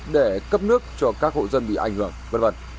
để cấp nước cho các hộ dân bị ảnh hưởng